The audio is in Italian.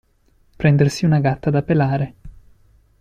Prendersi una gatta da pelare.